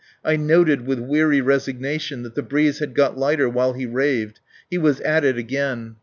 I noted with weary resignation that the breeze had got lighter while he raved. He was at it again.